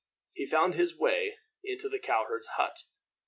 He found his way in to the cow herd's hut.